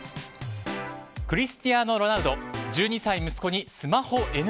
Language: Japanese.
クリスティアーノ・ロナウド１１歳息子にスマホＮＧ？